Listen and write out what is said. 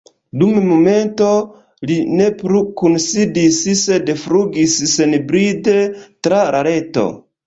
Dum momento li ne plu kunsidis, sed flugis senbride tra la reto.